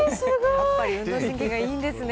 やっぱり運動神経がいいんですね。